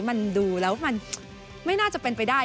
มันดูแล้วมันไม่น่าจะเป็นไปได้